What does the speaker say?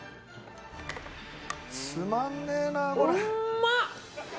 つまんねえなあこれ。